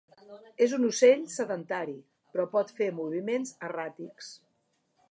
És un ocell sedentari però pot fer moviments erràtics.